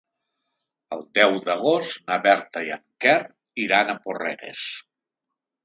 El deu d'agost na Berta i en Quer iran a Porreres.